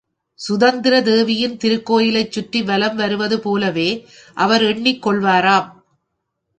சுதந்திர தேவியின் திருக்கோயிலைச் சுற்றி வலம் வருவது போலவே அவர் எண்ணிக் கொள்வாராம்!